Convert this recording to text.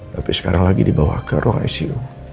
tapi sekarang lagi dibawa ke ruang icu